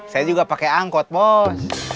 saya juga pakai angkot bos